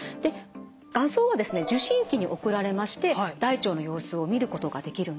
画像は受信機に送られまして大腸の様子を見ることができるんですね。